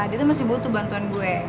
dia masih butuh bantuan gue